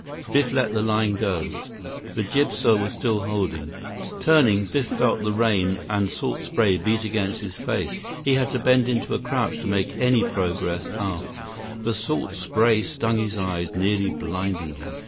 Biff let the line go. The jibsail was still holding. Turning, Biff felt the rain and salt spray beat against his face. He had to bend into a crouch to make any progress aft. The salt spray stung his eyes, nearly blinding him.